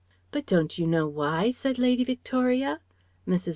"But don't you know why?" said Lady Victoria. Mrs.